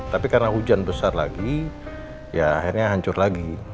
tapi karena hujan besar lagi ya akhirnya hancur lagi